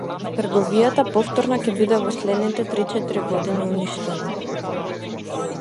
Трговијата повторно ќе биде во следните три-четири години уништена.